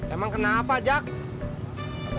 emang kenapa jack